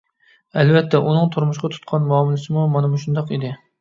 ئەلۋەتتە ئۇنىڭ تۇرمۇشقا تۇتقان مۇئامىلىسىمۇ مانا مۇشۇنداق ئىدى.